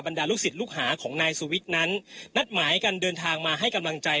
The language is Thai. ดาลูกศิษย์ลูกหาของนายสุวิทย์นั้นนัดหมายกันเดินทางมาให้กำลังใจ